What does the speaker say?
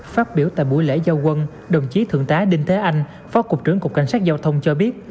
phát biểu tại buổi lễ giao quân đồng chí thượng tá đinh thế anh phó cục trưởng cục cảnh sát giao thông cho biết